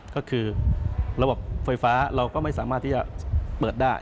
ก็คือระบบไฟฟ้าเราก็ไม่สามารถที่จะเปิดได้